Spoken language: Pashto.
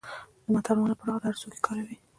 د متل مانا پراخه ده او هرڅوک یې کاروي